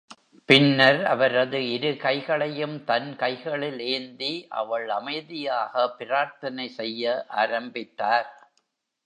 பின்னர் அவரது இரு கைகளையும் தன் கைகளில் ஏந்தி அவள் அமைதியாக பிரார்த்தனை செய்ய ஆரம்பித்தார்.